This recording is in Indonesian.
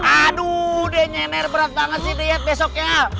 aduh deh nyener berat banget sih diet besoknya